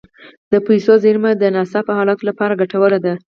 د پیسو زیرمه د ناڅاپي حالاتو لپاره ګټوره ده.